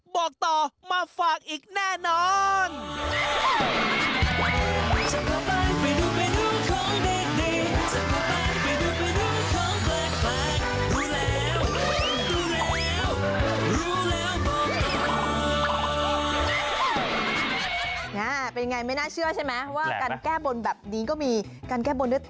บอกต่อมาฝากอีกแน่นอน